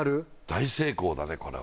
大成功だねこれは。